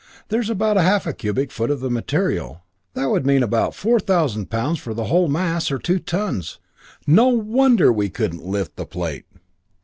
There's about half a cubic foot of the material; that would mean about 4000 pounds for the whole mass, or two tons. No wonder we couldn't lift the plate!"